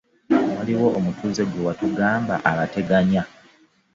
Waliwo omutuuze gwe watugamba abateganya.